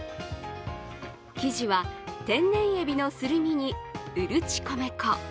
生地は天然えびのすり身にうるち米粉。